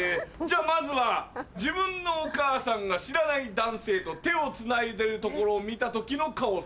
じゃあまずは自分のお母さんが知らない男性と手をつないでるところを見た時の顔。